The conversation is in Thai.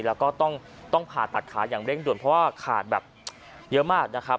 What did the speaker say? แล้วก็ต้องผ่าตัดขาอย่างเร่งด่วนเพราะว่าขาดแบบเยอะมากนะครับ